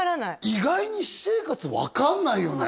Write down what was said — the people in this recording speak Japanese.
意外に私生活分かんないよね